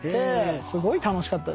すごい楽しかったですね。